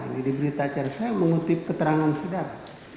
ini diberitakan saya mengutip keterangan sidap